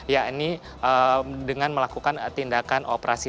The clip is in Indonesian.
yakni dengan melakukan tindakan operasi